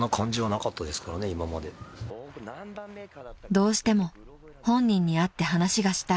［どうしても本人に会って話がしたい］